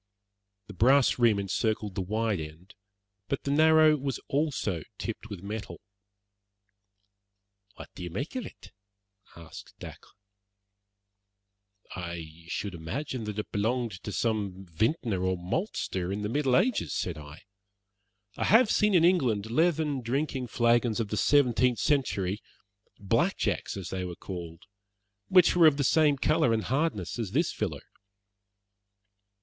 The brass rim encircled the wide end, but the narrow was also tipped with metal. "What do you make of it?" asked Dacre. "I should imagine that it belonged to some vintner or maltster in the Middle Ages," said I. "I have seen in England leathern drinking flagons of the seventeenth century 'black jacks' as they were called which were of the same colour and hardness as this filler."